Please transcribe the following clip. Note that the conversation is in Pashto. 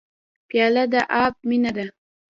پیاله د ادب مینه ده.